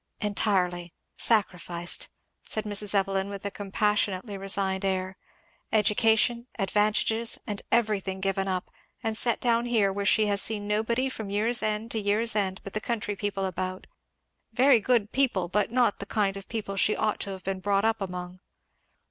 "Entirely, sacrificed! " said Mrs. Evelyn, with a compassionately resigned air; "education, advantages and everything given up; and set down here where she has seen nobody from year's end to year's end but the country people about very good people but not the kind of people she ought to have been brought up among."